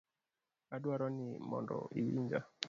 Adwaro ni mondo iwinja.